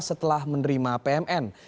setelah menerima pmn